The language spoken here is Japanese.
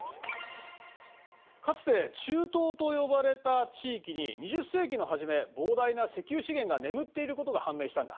かつて中東と呼ばれた地域に２０世紀の初め膨大な石油資源が眠っていることが判明したんだ。